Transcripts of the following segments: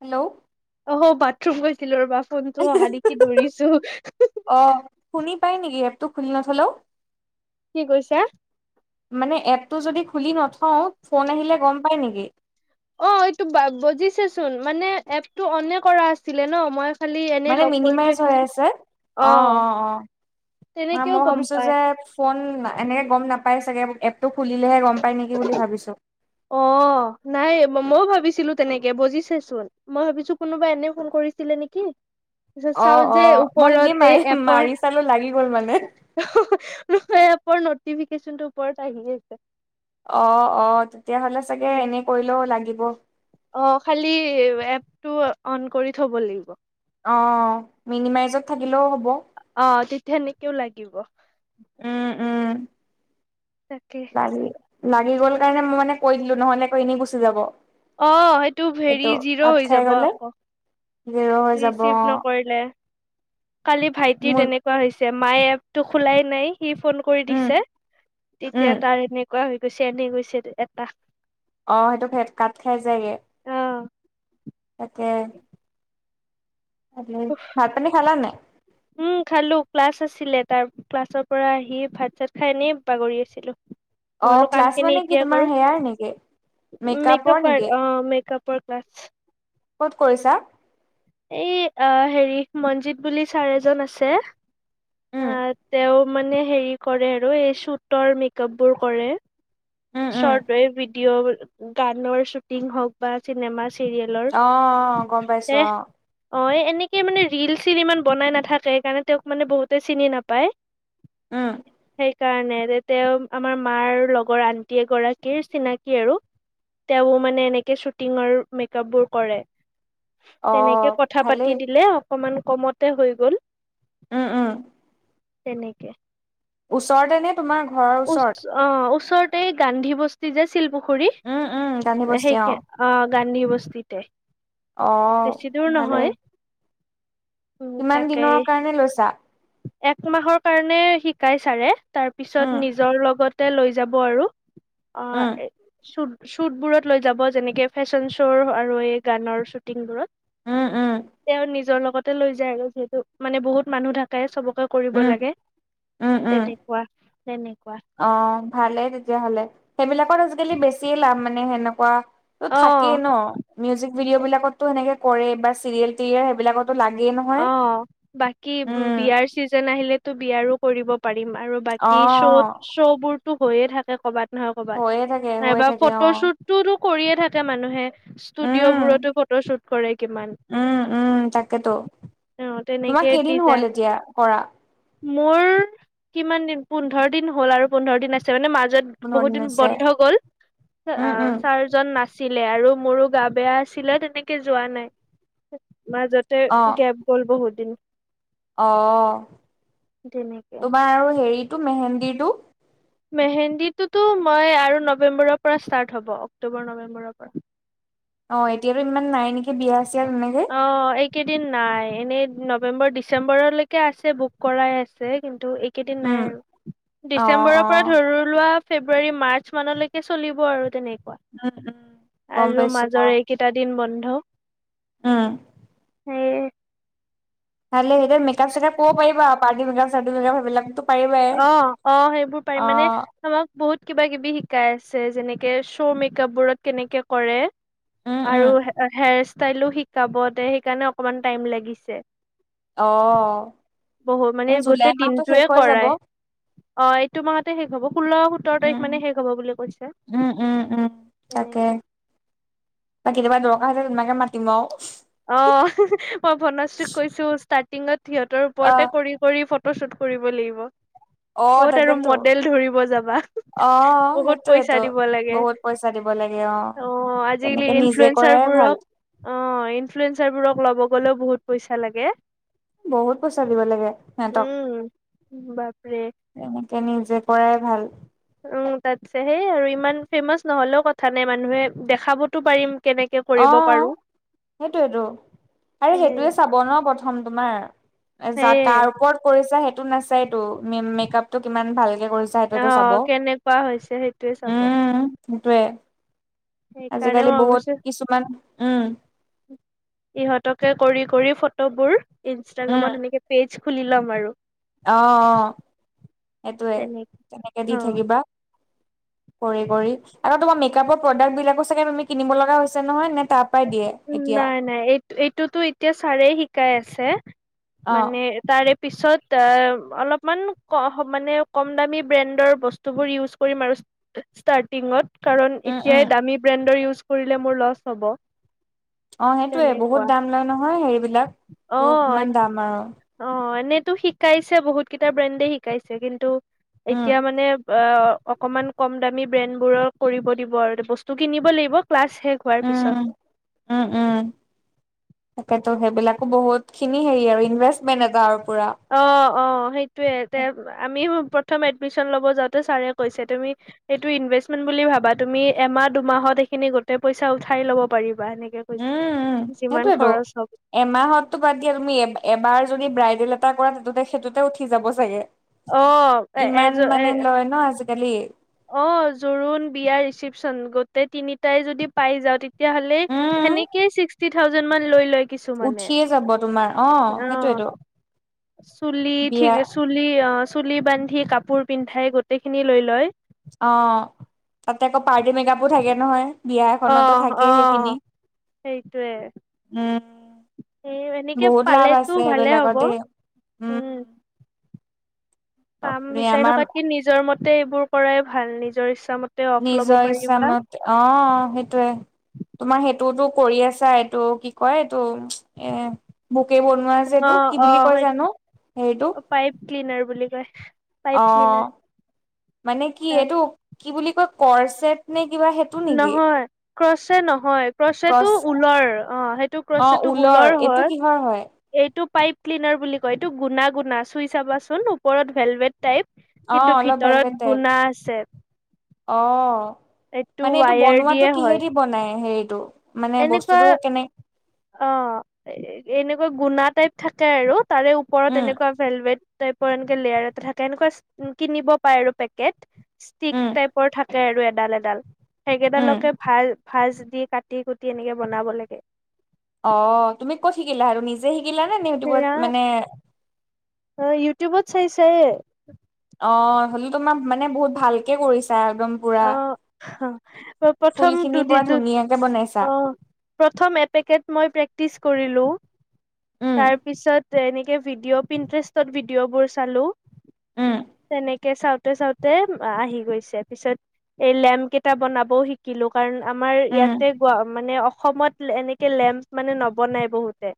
Hello? অ', bathroom গৈছিলোঁ ৰবা, ফোনটো অহা দেখি দৌৰিছোঁ। অ শুনি পায় নেকি এপতটো খুলি নথলেও? কি কৈছা? মানে এপটো যদি খুলি নথওঁ, ফোন আহিলে গম পাই নেকি? অ', এইটো বা বজিছেচোন। মানে এপটো অ'নে কৰা আছিলে ন মই খালি এনেই মানে লগ কৰি মিনিমাইজ থৈ হৈ কিনে আছে, অ', অ', অ'। নাই তেনেকেও মই গম ভাবিছোঁ পাই যে উম, এনেকে গম নাপাই চাগে এপটো খুলিলেহে গম পায় নেকি বুলি ভাবিছোঁ। অ', নাই মই ভাবিছিলোঁ তেনেকে বজিছেচোন। মই ভাবিছোঁ কোনোবাই এনেই ফোন কৰিছিলে নেকি? তাৰপিছত অ চাও অ যে মই এনেই ওপৰতে মাৰি এই এপৰ মাৰি চালো লাগি গ'ল মানে নহয় এপৰ নটিফিকেশচনটো ওপৰত আহি আছে। অ', অ', তেতিয়াহ'লে চাগে এনে কৰিলেও লাগিব। অ', খালি এপটো অন কৰি থব লাগিব। অ', মিনিমাইজত থাকিলেও হ'ব। অ', তেতিয়া এনেকেও লাগিব। উম-উম। তাকে। লাগি- লাগি গ'ল কাৰণে মই মানে কৈ দিলোঁ নহলে আকৌ এনেই গুচি যাব। অ', সেইটো হেৰি এইটো জিৰো কাট হৈ খাই যাব গ'লে আকৌ। জিৰ' হৈ যাব ৰিচিভ নকৰিলে, কালি ভাইটি তেনেক মোৰ তেনেকুৱা হৈছে, মায়ে এপটো খোলাই নাই সি ফোন কৰি উম দিছে, উম তেতিয়া তাৰ এনে এনেকুৱা হৈ গৈছে, এনেই গৈছে এটা [unintelligible] অ', সেইটো [unintelligible] কাত খাই যায়গে। অ'। তাকে উম, ভাত পানী খালা নাই? উম, খালোঁ। ক্লাছ আছিলে, তাৰ ক্লাছৰ পৰা আহি ভাত-চাত খাই এনেই বাগৰি আছিলোঁ। মই অ বোলোঁ ক্লাছ কামখিনি মানে কি এতিয়া তোমাৰ হেয়াৰ নেকি কৰোঁ। মেকআপৰ মেক‌আপ নেকি আৰ্ট অ', মেকআপ পৰ ক্লাছ। ক'ত কৰিছা? এই আহ হেৰি, মনজিত বুলি ছাৰ এজন আছে। উম অ', তেওঁ মানে হেৰি কৰে আৰু এই শ্বুটৰ মেকআপবোৰ কৰে। উম উম চৰ্ট ভিডিঅ, গানৰ শ্বুটিং হওঁক বা চিনেমা অ গম পাইছো চিৰিয়েলৰ। এ অ অ', এনেকে মানে ৰিল-চিল ইমান বনাই নাথাকে সেইকাৰণে তেওঁক মানে বহুতে চিনি নাপায়। উম। সেইকাৰণে যে তেওঁ আমাৰ মাৰ লগৰ আন্টি এগৰাকীৰ চিনাকি আৰু। তেওঁ মানে এনেকে শ্বুটিঙৰ মেকআপবোৰ কৰে। অ তেনেকে কথা পাতি ভালেই দিলে অকনমান কমতে হৈ গল। উম-উম। তেনেকে। ওচৰতে নে তোমাৰ, ঘৰৰ উচ ওচৰত? অ', ওচৰতে এই গান্ধী বস্তি যে শিলপুখুৰী? উম উম গান্ধী বস্তি সেই অ', গান্ধী বস্তিতে। অ', বেছি দূৰ নহয় ভালেই। কিমান দিনৰ কাৰণে লৈছা? একমাহৰ কাৰণে শিকাই চাৰে, তাৰ উম, পিছত নিজৰ লগত তে লৈ যাব আৰু অঁ উম, এ চুট শ্বুটবোৰত লৈ যাব যেনেকে ফেশ্বন শ্ব' আৰু এই গানৰ শ্বুটিংবোৰত। উম-উম। তেওঁ নিজৰ লগতে লৈ যায় আৰু যিহেতু মানে বহুত মানুহ থাকে, চবকে কৰিব উম, লাগে, উম, উম, তেনেকুৱা-তেনেকুৱা। অ ভালেই তেতিয়াহ'লে, সেইবিলাকত আজিকালি বেছিয়ে লাভ মানে সেনেকুৱা ত অ থাকেই ন, মিউজিক ভিডিঅ' বিলাকতো সেনেকে কৰে বা চিৰিয়েল তিৰিয়েৰ সেইবিলাকত ত লাগে ন। অ, বাকী বিয়াৰ চিজন আহিলেতো বিয়াৰো কৰিব পাৰিম। আৰু বাকী অ', শ্ব'ত শ্ব'বোৰতো হৈয়ে থাকে কৰ'বাত নহয় হৈয়ে থাকে, কৰ'বাত হৈয়ে নাইবা থাকে অ', ফটোশ্বুত টোতটো কৰিয়েই থাকে মানুহে ষ্টুডিঅ'বোৰতো ফটোশ্বুট কৰে কিমান? উম-উম তাকেতো, অ তেনেকে তোমাৰ কেইদিন দিজা হ'ল এতিয়া কৰা? মোৰ কিমান দিন পোন্ধৰ দিন হ'ল আৰু পোন্ধৰ দিন আছে মানে মাজত পোন্ধৰ বহুত দিন আছে। বন্ধ গ'ল, উম, আহ উম, চাৰ জন নাছিলে আৰু মোৰো গা বেয়া আছিলে তেনেকে যোৱা নাই মাজত। গেপ গল বহুদিন। অঁ, তোমাৰ আৰু হেৰিটো মেহেন্দিৰটো? মেহেন্দীটোতো মই আৰু নৱেম্বৰৰ পৰা ষ্টাৰ্ট হ'ব, অক্টোবৰ নৱেম্বৰৰ পৰা। অ' এতিয়াতো ইমান নাই নেকি বিয়া চিয়া তেনেকে? অ' এইকেইদিন নাই, এনেই নৱেম্বৰ, ডিচেম্বৰলৈকে আছে বুক কৰাই আছে কিন্তু এই কেইদিন উম। নাই আৰু, অ', ডিচেম্বৰৰ পৰা অ', ধৰি লোৱা ফেব্ৰুৱাৰী মাৰ্চ মানলৈকে চলিব আৰু তেনেকুৱা, উম, উম, গম আৰু পাইছো অ', মাজৰ এই কেইটা দিন বন্ধ। উম। সেই। ভালে এতিয়া মেকআপ - চেকআপ কৰিব পাৰিবা আৰু পাৰ্তি মেকআপ - চাৰ্টি মেকআপ সেই বিলাকটো অ' অ' সেইবোৰ পাৰিম, মানে আমাক বহুত কিবা - কিবি শিকাই আছে, যেনেকে শ্ব' মেকআপবোৰত কেনেকে কৰে? উম, উম, আৰু হেয়াৰ ষ্টাইলো শিকাব, তে সেইকাৰণে অকমান টাইম লাগিছে। অ', বহুত এ মানে জুলাই গোটেই মাহটো শেষ দিনটোয়ে হৈ যাব। কৰায়। অ এইটো মাহতে শেষ হ'ব, ষোল্ল সোত্তৰ উম, তাৰিখ মানে শেষ হ'ব বুলি কৈছে, উম, উম, উম, তাকে তেনেকে। বা কেতিয়াবা দৰকাৰ হৈছে তোমাকে মাতিম আৰু। অ হিহি' মই ভনশ্ৰীক কৈছো ষ্টাৰ্টিঙত সিহঁতৰ ওপৰতে অ', কৰিম। কৰি ফটো শ্বুট কৰিব লাগিব। অ', ক'ত আৰু তাকেতো মডেল ধৰিব যাবা হুহুহ, অ', বহুত পইচা সেইটোয়েতো। দিব লাগে। বহুত পইচা দিব লাগে অ' আজিকালি তেনেকে নিজে কৰাই ভাল। ইনফ্লুৱেন্ঞ্চাৰবোৰক অ ইনফ্লুৱেঞ্চাৰবোৰক ল'ব গ'লেও বহুত পইচা লাগে। বহুত পইচা দিব লাগে সিহঁতক। বাপৰে তেনেকে নিজে কৰাই ভাল। উম' তাতছে সেই আৰু ইমান ফেমাচ নহ'লেও কথা নাই, মানুহে দেখাবতো পাৰিম। কেনেকে অ কৰিব পাৰো সেইটোৱেটো আৰে সেইটোয়ে চাব ন, প্ৰ প্ৰথম তোমাৰ যা সেয়ে কাৰ ওপৰত কৰিছা সেই তো নাচায়টো মে মেকপটো কিমান ভালকে কৰিছ ছা অ সেইটোৱেতো চাব, কেনেকুৱা হৈছে সেইটোয়ে চাব উম সেইটোয়ে। সেইকাৰণে আজিকালি বহুত কিছুমান উম'। ইহতকে কৰি কৰি ফটোবোৰ উম ইনষ্টাগ্ৰামত এনেকে পেজ' খুলি ল'ম আৰু। অ' অ', সেইটোৱে তেনেকে তেনেকে দি অ থাকিবা। কৰি কৰি আকৌ তোমাৰ মেকআপৰ প্ৰডাক্ট বিলাকো চাগে তুমি কিনিব লগা হৈছে নহয়, নে তাপ- নাই নাই এই এইটোতো এতিয়া ছাৰে শিকাই আছে, অ মানে- তাৰে পিছত আ অলপমান ক মানে কম দামী ব্ৰেণ্ডৰ ব স্তুবোৰ ইউজ কৰিম আৰু ষ্টাৰ্টিঙত। কাৰণ উম উম এতিয়াই দামী ব্ৰেণ্ডৰ ইউজ কৰিলে মোৰ লচ হ'ব। অ' সেইটোয়ে বহুত তেনেকুৱা দাম লয় নহয় হেৰি বিলাক, অ টো কিমান দাম আৰু। অ' এনেইতো শিকাইছে বহুত কেইটা ব্ৰেণ্ডে শিকাইছে, কিন্তু উম এতিয়া মানে- অ অকমান কম দামী ব্ৰেণ্ড বোৰৰ কৰিব দিব আৰু বস্তু কিনিব লাগিব ক্লাছ শেষ- হোৱাৰ পিছত। উম উম উম। তাকেতো সেইবিলাকো বহুত খিনি হেৰি আৰু ইনভেষ্টমেন্ট এটা আৰু পুৰা। অ' অ' সেইটোয়ে তে উম আমি প্ৰথম এডমিশন ল'ব যাওঁতে ছাৰে কৈছে, তুমি- সেইটো ইনভেষ্টমেন্ট বুলি ভাবা তুমি এমাহ দুমাহত এইখিনি গোটেই পইচা উঠাই ল'ব পাৰিবা এনেকে কৈছে যিমান খৰচ হক এমাহততো বাদ দিয়া তুমি এ এবাৰ যদি ব্ৰাইডেল এটা কৰা তে সেইটোতে উঠি যাব চাগে। অ', এ এজ ইমান এ মানে লয় ন আজিকালি। অ জোৰোণ, বিয়া, ৰিচিপ্যন গোটেই তিনিটাই যদি পাই যাও তে তিয়া হ'লে উম সেনেকেই ছিক্সটি থাউজেণ্ড মান লৈ লয়। কিছুমানে উঠিয়ে যাব তোমাৰ অ অ'। সেইটোৱেটো। চুলি ঠিক চুলি অ চুলি বান্ধি কাপোৰ পিন্ধাই গোটেইখিনি লৈ লয়। অ তাতে আকৌ পাৰ্টি মেকাপো থাকে নহয়। বিয়া এখনতো অ', থাকে সেইখিনি, অ', সেইটোৱে। উম। উম, এনেকে বহুত লাভ আছে পালেতো ভালে সেইবিলাকত হ'ব। দেই উম। কাম বাপৰে বিচাৰি আমাৰ থকাতকে নিজৰ মতে এইবোৰ কৰাই ভাল নিজৰ ইচ্ছা মতে অফ ল'ব নিজৰ পাৰিবা। ইচ্ছামতে অ সেইটোৱে- তোমাৰ সেইটোতো কৰি আছা এইটো কি কয় এইটো এ বোকেই ব নোৱা যে অ', এইটো কি বুলি অ', কয় সেইটো জানো হেৰিটো? পাইপ ক্লিনাৰ বুলি কয়। পাইপ অ ক্লিনাৰ মানে কি এইটো কি বুলি কয় কৰ্চেট নে কিবা হে- নহয়। ক্ৰচে নহয় ক্ৰচেটো ক্ৰচ ঊলৰ অ সেইটো অ ক্ৰচেটো ঊলৰ এইটো হয়। ঊলৰ হয়। এইটো পাইপ ক্লিনাৰ বুলি কয় এইটো গুণা গুণা চুই চাবাচোন ওপৰত ভেলভেট টাইপ- অ কিন্তু অলপ ভেলভেট ভিতৰত টাইপ গুনা আছে। অ মানে এইটো বনোৱাতো কিহেদি বনাই হেৰিটো। মানে এনেকোৱা বস্তুটো কেনে অ এনেকোৱা গুনা টাইপ থাকে আৰু- তাৰে ওপৰত উম এনেকোৱা ভেলভেট- টাইপৰ এনেকে লেয়াৰ এটা থাকে এনেকোৱা কিনিব পাৰে আৰু পেকট উম ষ্টিক টাইপৰ থা কে আৰু এডাল এডাল উম সেইকেইডালকে ভাজ ভাজ দি কাটি কুটি এনেকে বনাব লাগে। অ তুমি কত শিকিলা আৰু নিজে শিকিলানে নে সেয়া ইউটিউবত মানে অ ইউটিউবত চাই চাইয়ে অ হলে তোমাৰ মানে বহুত ভালকে কৰিছা একদম- পুৰা অহ ফুল প্ৰথম খিনি পুৰা দুদিনটো ধুনীয়াকে বনাইছা অহ প্ৰথম এপেকেট মই প্ৰেক্টিচ কৰিলো উম তাৰ পিছত- তেনেকে ভিডিঅ' পিণ্টাৰেষ্টত ভিডিঅ' বোৰ চালো, উম তেনে- কে চাওতে চাওতে আহি গৈছে পিছত এই লেম্প কেইটা বনাবও শিকিলো কাৰণ- আমাৰ উম ইয়াতে গোৱা মানে অসমত এনেকে লেম্প মানে নবনাই বহুতে-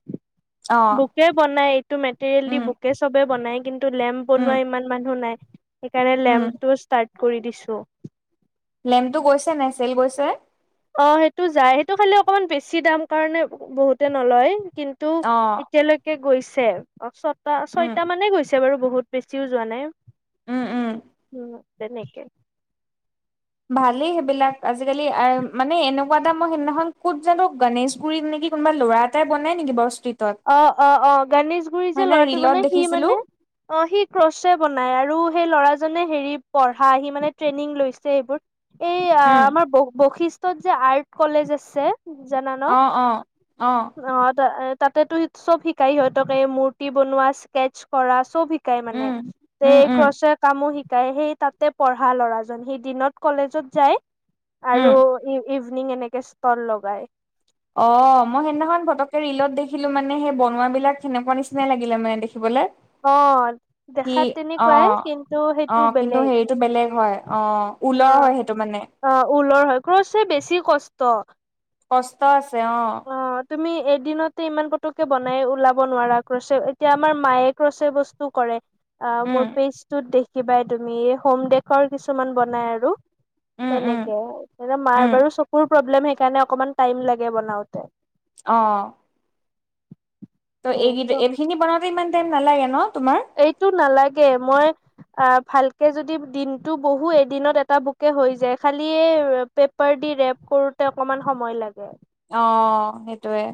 অ বুকে বনাই এইটো মেটেৰিয়েল দি উম বুকে চবে বনাই কিন্তু লেম্প উম বনোৱা ইমান মানুহ নাই। সেইকাৰণে উম লেম্পটো ষ্টাৰ্ট কৰি দিছো। লেমটো গৈছে নাই চেল গৈছে? অ সেইটো যায় সেইটো খালি অকমান বেছি দাম কাৰণে বহুতে নলয়। কিন্তু অ এতিয়ালৈকে গৈছে ছটা উম ছয়টা মানে গৈছ তে বাৰু বহুত বেছিও যোৱা নাই, উম উম উম তেনেকে। ভালেই সেইবিলাক আজিকালি মানে এনেকুৱা এটা মই সেইদিনাখন ক'ত জানো গনেশপুুৰীত নেকি কোনোব ল'ৰা এটাই বনাই নেকি বছ ট্ৰি অ, অ, অ গণেশগুৰি যে ল'ৰাটো ৰিলত বনাই সি দেখিছিলো মানে অ সি ক্ৰচ বনাই আৰু সেই ল'ৰাজনে হেৰি পঢ়া সি মানে ট্ৰেইনিং লৈছে এইবোৰ। এই আ উম আমাৰ ব বশিষ্টত যে আৰ্ট কলেজ আছে জানা ন অ, অ, অ। অ তা তাতেতো চব শিকাই সিহঁতক এই মূৰ্তি বনোৱা, স্কেচ কৰা চব শি কাই মানে উম তে উম এই উম ক্ৰচৰ কামো শি তাই সেই তাতে পঢ়া ল'ৰাজন সেই দিনত কলেজত যায়। উম আৰু ই ইভিনিং এনেকে ষ্টল লগাই। অ মই সেইদিনাখন পতকে ৰিলত দেখিলো মানে সেই বনোৱা বিলাক সেনেকুৱা নিচিনা লাগিলে মানে দেখিবলে। অ সি দেখাত অ, তেনেকুৱাই কিন্তু অ সেইটো কিন্তু বেলেগ হেৰিটো বেলেগ হয় অ। ওল অ হয় সেইটো মানে? অ ঊলৰ হয় ক্ৰচে বেছি কষ্ট। কষ্ট আছে অঁহ। অ তুমি এদিনতে ইমান পটককে বনাই ওলাব নোৱাৰা ক্ৰচে এতিয়া আমাৰ মায়ে ক্ৰছে বস টো কৰে আঁ উম মোৰ পেজটোত দেখিবাই তুমি হোম দেকৰ কিছুমান বনাই আৰু। উম উম তেনেকে, এতিয়া মাৰ উম বাৰু চকুৰ প্ৰব্লেম সেইকাৰণে অকমান টাইম লাগে বনাও তে অ'। ত' এই এইখিনি বনাওঁতে ইমান টাইম নালাগে ন তোমাৰ? এইটো নালাগে, মই আ, ভালকে যদি দিনতটো বহো এদিনত এটা বুকে হৈ যায়। খালি এ পেপাৰ দি ৰেপ কৰোতে অকমান সময় লাগে। অ, সেইটোৱে।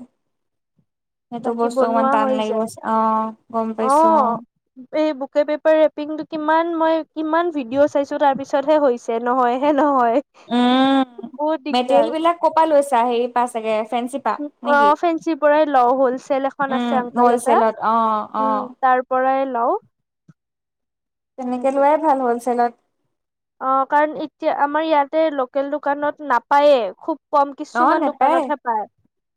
সেইটো বাকী বস্তু অকমান বনোৱা টান হৈ লাগিব যায় চ, অ' গম পাইছো অ'। এই বুকে পেপাৰ ৰেপিংটো কিমান মই কিমান ভিডিঅ চাইছো তাৰ পিছতে কৰিছো। যে নহয়হে নহয়। উম, বহুত দিগদাৰ মেটেৰিয়েল বিলাক ক'ৰ পৰা লৈছা হেৰি পা চাগে ফেঞ্চি পা নেকি অ' ফেঞ্চিৰ পৰাই লও হলচেল এখন উম আছে আংকল এটাৰ হলচেলত অ অ উম। তাৰ পৰাই লওঁ। তেনেকে সেনেকে লোৱাই ভাল হ'লচেলত। অ' কাৰণ এতিয়া আমাৰ ইয়াতে লোকেল দোকানত নাপায়ে, খুব কম অ কিছুমান নেপায় দোকানতহে পায়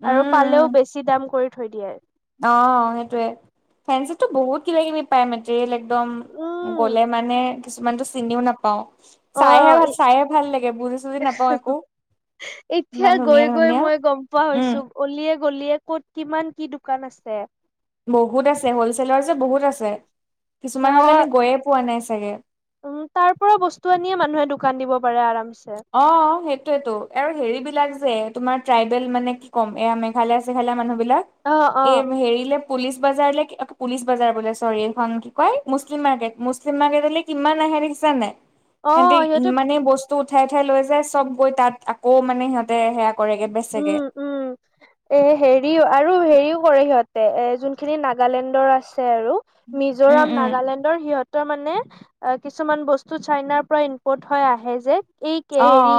উম আৰু উম পালেও বেছি দাম কৰি থৈ দিয়ে। অ' সেইটোয়ে ফেঞ্চিতো বহুত কিবা - কিবি পায় মেটেৰিয়েল একদম উম গলে মানে কিছুমানটো চিনিও নাপাও। চাইহে অ' - চাইহে ভাল লাগে বুজি - চুজি নাপাওঁ একো। এতিয়া ইমান গৈ ধুনীয়া - গৈ ধুনীয়া মই গম পোৱা হৈছো। উম গলিয়ে - গলিয়ে ক'ত কিমান কি দোকান আছে। বহুত আছে হলছেলৰ যে বহুত আছে, কিছুমানলৈ অ' আমি গৈয়ে পোৱা নাই চাগে? উম তাৰ পৰা বস্তু আনিয়ে মানুহে দোকান দিব পাৰে আৰামচ অ, সেইটোয়েতো আৰু হেৰিবিলাক যে তোমাৰ ট্ৰাইবেল মানে কি ক'ম এয়া মেঘালয় চেঘালীয়া অ', মানুহবিলাক অ', এইম হেৰিলে পুলিচ বাজাৰ লে পুলিচ বাজাৰ বোলে চৰি এইখন কি কয় মুছলিম মাৰ্কেট মুছলিম মাৰ্কেটলে কিমান আহে দেখিছা নে? সিহঁতে ইমানেই বস্তু উঠাই উঠাই লৈ যায় চব গৈ তাত আকৌ মানে সিহঁতে সেয়া কৰেগে বেচগে। উম, উম, এ হেৰিও আৰু হেৰিও কৰে সিহঁতে এ যোনখিনি নাগালেণ্ডৰ আছে আৰু। উম মিজোৰাম, উম নাগালেণ্ডৰ, সিহঁত ত' মানে কিছুমান বস্তু চাইনাৰ পৰা ইম্পৰ্ট হয় আহে যে। এই অ কে অ হেৰি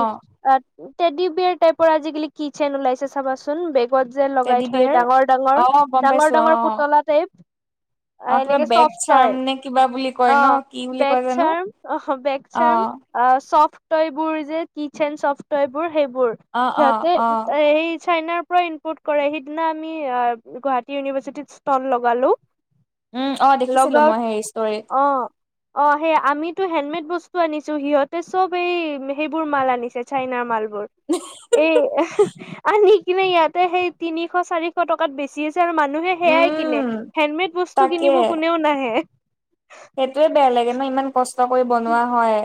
আ টেডি বিয়াৰ টাইপৰ আজিকালি কিচেন ওলাইছে চাবাচোন। চোন বেগত যে লগাই টেডি থয় বিয়াৰ ডাঙৰ-ডাঙৰ, অ গম পাইছো অ ডাঙৰ-ডাঙৰ পুতলা টাইপ। অ কিবা এনেকে বেগ চফ্ট চাৰ্ম টয়, নে কিবা বুলি কয় ন অ', কি বুলি বেক কয় জানো চাৰ্ম অ', বেক চাৰ্ম। অ', চফ্ট টয় বোৰ যে কিচেন চফ্ট টয় বোৰ সেইবোৰ। অ অ সিহঁতে অ সেই চাইনাৰ পৰা ইম্পৰ্ট কৰে সিদিনা আমি গুৱাহাটী ইউনিভাৰ্চিটিত ষ্টল লগালোঁ। উম অ দেখিছিলো লগাও মই হেৰি ষ্টৰিত অ'। অ'সেই আমিতো হেনমেড বস্তু আনিছোঁ, সিহঁতে চব এই সেইবোৰ মাল আনিছে চাইনাৰ মাল বোৰ। এই অনিকিনে ইয়াতে সেই তিনিশ চাৰিশ টকাত বেছি আছে আৰু মান মানুহে সেয়াই কিনে, উম হেণ্ডমেড বস্তু তাকে কিনিব কোনেও নাহে। সেইটোৱে বেয়া লাগে ন ইমান কষ্ট কৰি বনোৱা হয়,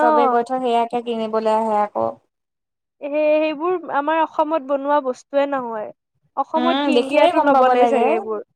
চবে গৈ থৈ সেয়া কিনিবলৈ আহে আকৌ। সে সেইবোৰ আমাৰ অসমত বনোৱা বস্তুয়ে নহয়। উম অসমত কি দেখিলেই ইণ্ডিয়াতো গম পাব নবনাই লাগে চাগে এইবোৰ।